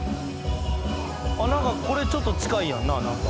「これちょっと近いやんななんか」